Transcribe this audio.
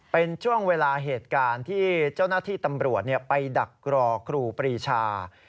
เป็นช่วงเวลาเหตุการณ์ที่เจ้าหน้าที่ตำรวจไปดักรอครูปรีชา